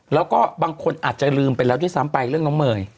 แล้วก็บางคนอาจจะลืมไปแล้วด้วยซ้ำไปเรื่องน้องเมย์